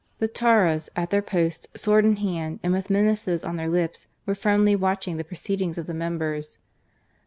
The Tauras, at their post, sword in hand and with menaces on their lips, were fiercely watching the proceedings of the members.